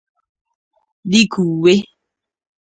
dịka uwe